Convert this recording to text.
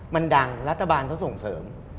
มันดังรัฐบาลเขาส่งเสริม